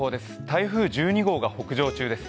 台風１２号が北上中です。